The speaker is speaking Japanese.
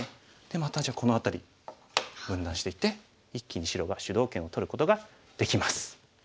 またじゃあこの辺り分断していって一気に白が主導権を取ることができます。